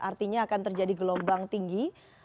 artinya akan terjadi gelombang tinggi